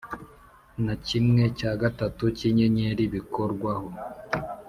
na kimwe cya gatatu cy’inyenyeri bikorwaho,